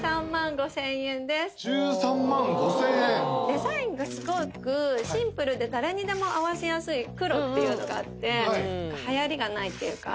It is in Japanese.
デザインがスゴくシンプルで誰にでも合わせやすい黒っていうのがあって流行りがないっていうか